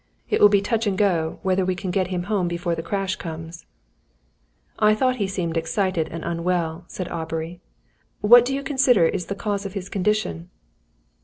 It will be touch and go whether we can get him home before the crash comes." "I thought he seemed excited and unwell," said Aubrey. "What do you consider is the cause of his condition?"